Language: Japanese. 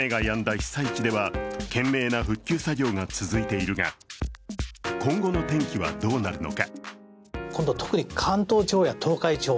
被災地では懸命な復旧作業が続いているが今後の天気はどうなるのか。